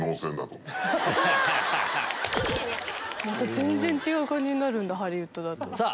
全然違う感じになるんだハリウッドだと。